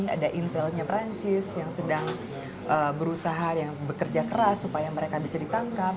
ada intelnya perancis yang sedang berusaha bekerja keras supaya mereka bisa ditangkap